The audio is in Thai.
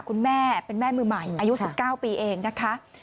คุณแม่เป็นแม่มือใหม่อายุ๑๙ปีเองนะคะ